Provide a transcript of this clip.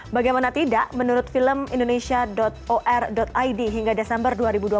bagaimana tidak menurut film indonesia or id hingga desember dua ribu dua puluh dua